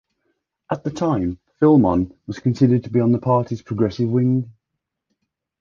At the time, Filmon was considered to be on the party's progressive wing.